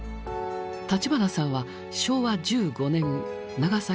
立花さんは昭和１５年長崎県生まれ。